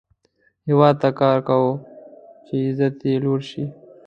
هیواد ته کار کوه، چې عزت یې لوړ شي